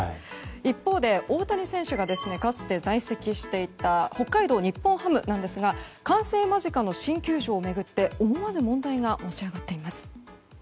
一方で、大谷選手がかつて在籍していた北海道日本ハムなんですが完成間近の新球場を巡って思わぬ問題が持ち上がっています。